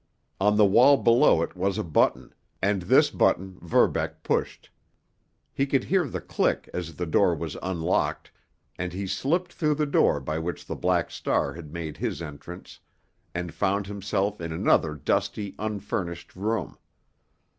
On the wall below it was a button, and this button Verbeck pushed. He could hear the click as the door was unlocked, and he slipped through the door by which the Black Star had made his entrance, and found himself in another dusty, unfurnished room.